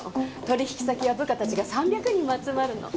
取引先や部下たちが３００人も集まるの。